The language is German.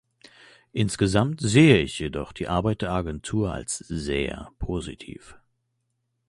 Insgesamt sehe ich jedoch die Arbeit der Agenturen als sehr positiv.